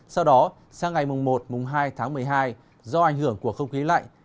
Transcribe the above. sau đó sang ngày một hai tháng một mươi hai do ảnh hưởng của không khí lạnh